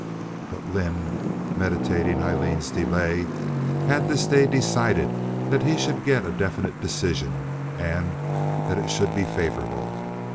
But Lynde, meditating Aileen's delay, had this day decided that he should get a definite decision, and that it should be favorable.